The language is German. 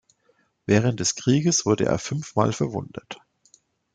Während des Krieges wurde er fünfmal verwundet.